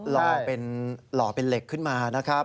รอเป็นเหล็กขึ้นมานะครับ